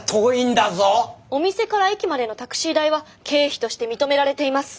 お店から駅までのタクシー代は経費として認められています。